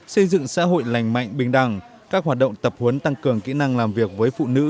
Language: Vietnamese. xây dựng xã hội lành mạnh bình đẳng các hoạt động tập huấn tăng cường kỹ năng làm việc với phụ nữ